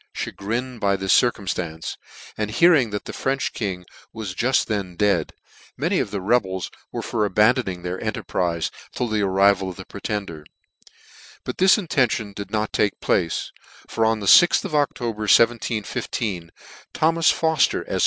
Chagrined by this circumftance, and hearing that the French King was juit then dead, many of tke rebels were for abandoning their enterprize till the arrival of the Pretender : but this intention did' not take place : for on the 6th of October 1715, Thomas Fofter, Efq